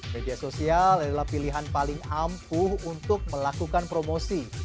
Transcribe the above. media sosial adalah pilihan paling ampuh untuk melakukan promosi